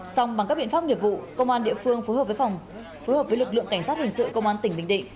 xong bằng các biện pháp nghiệp vụ công an địa phương phối hợp với lực lượng cảnh sát hình sự công an tỉnh bình định